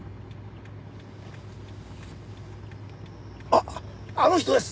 あっあの人です！